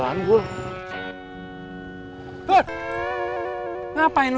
gak keliatan apa apaan gue